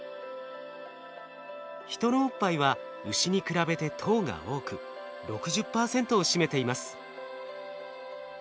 ヒトのおっぱいはウシに比べて糖が多く６０％を占めています。